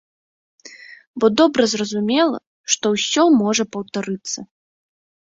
Бо добра зразумела, што ўсё можа паўтарыцца!